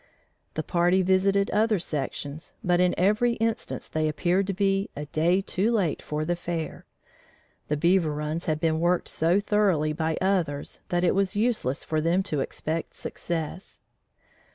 The party visited other sections but in every instance they appeared to be "a day too late for the fair;" the beaver runs had been worked so thoroughly by others that it was useless for them to expect success.